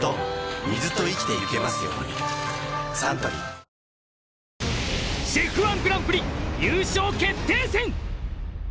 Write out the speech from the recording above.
サントリーＣＨＥＦ−１グランプリ優勝決定戦